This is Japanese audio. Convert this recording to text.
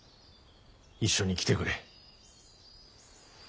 一緒に来てくれ。